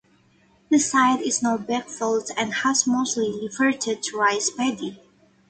The site is now backfilled and has mostly reverted to rice paddy.